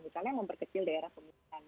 misalnya memperkecil daerah pemerintahan